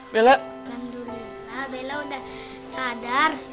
bella udah sadar